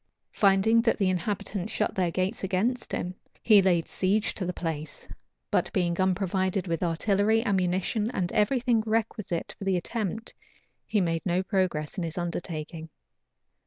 Finding that the inhabitants shut their gates against him, he laid siege to the place; but being unprovided with artillery, ammunition, and every thing requisite for the attempt, he made no progress in his undertaking.